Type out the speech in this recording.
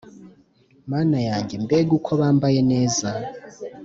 Mana yanjye mbega uko bambaye neza